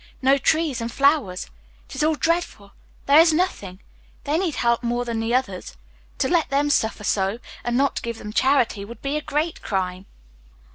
"No trees and flowers it is all dreadful there is nothing. They need help more than the others. To let them suffer so, and not to give them charity, would be a great crime."